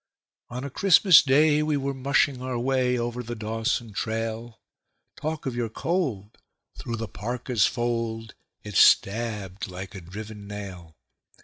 On a Christmas Day we were mushing our way over the Dawson trail. Talk of your cold! through the parka's fold it stabbed like a driven nail.